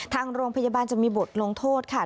ทางโรงพยาบาลจะมีบทลงโทษค่ะ